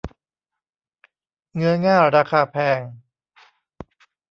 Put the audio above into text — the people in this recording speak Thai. เงื้อง่าราคาแพง